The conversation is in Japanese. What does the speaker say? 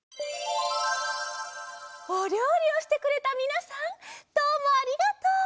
おりょうりをしてくれたみなさんどうもありがとう！